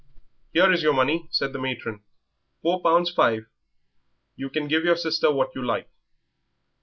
"Here is your money," said the matron; "four pounds five. You can give your sister what you like."